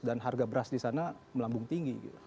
dan harga beras disana melambung tinggi